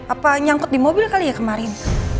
apa nyangkut di mobil kali ya kemarin